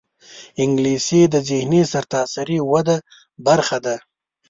انګلیسي د ذهني سرتاسري وده برخه ده